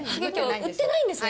売ってないんですね。